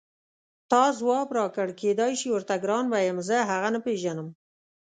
تا ځواب راکړ کېدای شي ورته ګران به یم زه هغه نه پېژنم.